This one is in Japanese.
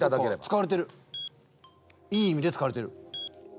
いい意味で使われてる。